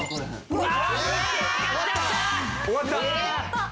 うわ！